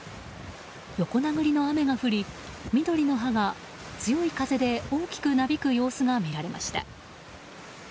横殴りの雨が降り、緑の葉が強い風で大きくなびく様子が見られました。